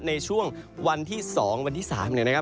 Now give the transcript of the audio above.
ในช่วงวันที่๒วันที่๓เนี่ยนะครับ